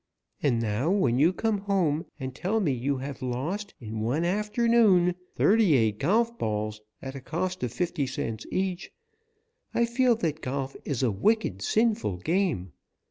And now, when you come home and tell me you have lost, in one afternoon, thirty eight golf balls, at a cost of fifty cents each, I feel that golf is a wicked, sinful game.